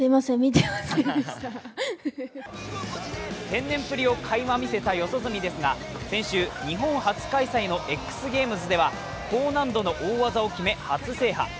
天然ぷりをかいま見せた四十住ですが先週、日本初開催のＸＧａｍｅｓでは高難度の大技を決め、初制覇。